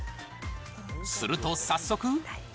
すると早速。